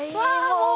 もう。